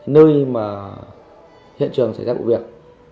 nơi mà hiện trường xảy ra bộ việc